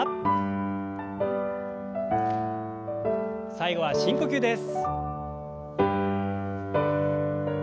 最後は深呼吸です。